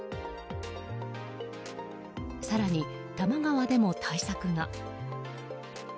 更に多摩川でも対策が。